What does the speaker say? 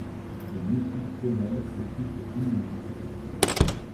Les moustiques femelles te sucent goulument.